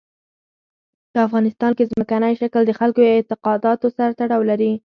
په افغانستان کې ځمکنی شکل د خلکو اعتقاداتو سره تړاو لري.